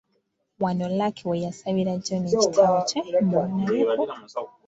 Wano Lucky we yasabira John ekitabo kye mbu alabeko.